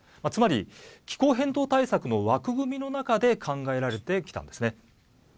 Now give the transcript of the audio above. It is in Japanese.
つまり、気候変動対策の枠組みの中で考えられてきたんですね。